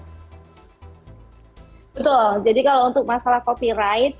betul jadi kalau untuk masalah copyright